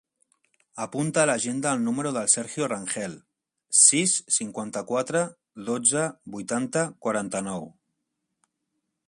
Apunta a l'agenda el número del Sergio Rangel: sis, cinquanta-quatre, dotze, vuitanta, quaranta-nou.